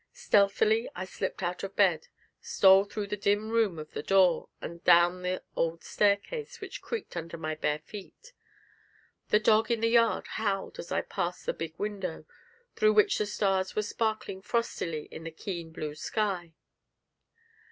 Stealthily I slipped out of bed, stole through the dim room to the door, and down the old staircase, which creaked under my bare feet. The dog in the yard howled as I passed the big window, through which the stars were sparkling frostily in the keen blue sky.